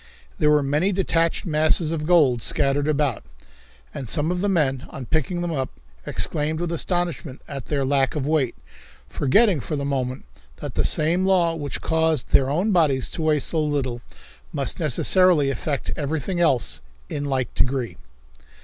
There were many detached masses of gold scattered about, and some of the men, on picking them up, exclaimed with astonishment at their lack of weight, forgetting for the moment that the same law which caused their own bodies to weigh so little must necessarily affect everything else in like degree.